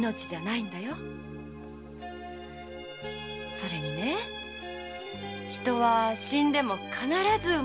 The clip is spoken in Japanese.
それにね人は死んでも必ず生まれ変わるんだ。